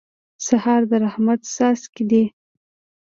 سهار د رحمت څاڅکي دي.